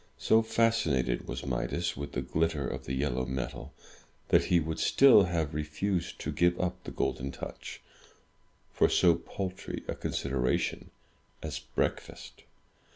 So fascinated was Midas with the glitter of the yellow metal, that he would still have refused to give up the Golden Touch for so paltry a consideration as breakfast.